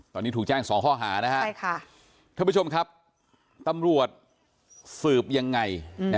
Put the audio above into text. ตอนนี้ถูกแจ้ง๒ข้อหานะครับท่านผู้ชมครับตำรวจสืบยังไง